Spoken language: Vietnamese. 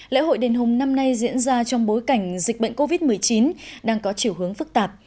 lễ hội đền hùng năm nay diễn ra trong bối cảnh dịch bệnh covid một mươi chín đang có chiều hướng phức tạp